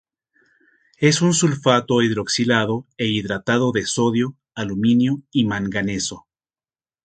Es un sulfato hidroxilado e hidratado de sodio, aluminio y manganeso.